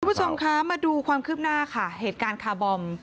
ทุกผู้ชมค้ามาดูความคืบหน้าแห่งเหตุการณ์คาบอม